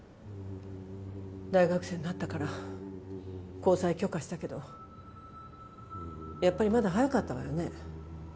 ・大学生になったから交際許可したけどやっぱりまだ早かったわよね。